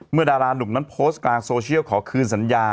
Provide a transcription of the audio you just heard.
ดารานุ่มนั้นโพสต์กลางโซเชียลขอคืนสัญญา